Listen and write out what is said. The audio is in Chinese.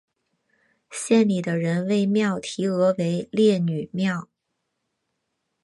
县里的人为庙题额为烈女庙。